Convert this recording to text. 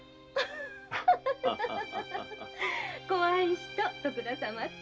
怖い人徳田様って。